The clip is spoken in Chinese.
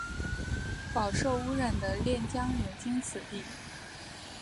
饱受污染的练江流经此地。